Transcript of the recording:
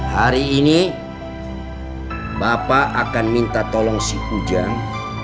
hari ini bapak akan minta tolong si ujang